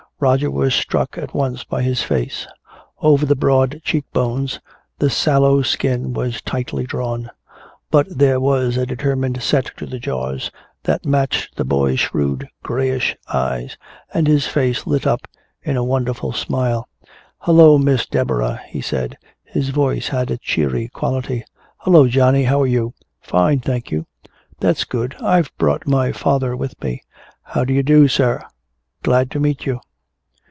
Roger was struck at once by his face. Over the broad cheek bones the sallow skin was tightly drawn, but there was a determined set to the jaws that matched the boy's shrewd grayish eyes, and his face lit up in a wonderful smile. "Hello, Miss Deborah," he said. His voice had a cheery quality. "Hello, Johnny. How are you?" "Fine, thank you." "That's good. I've brought my father with me." "Howdado, sir, glad to meet you."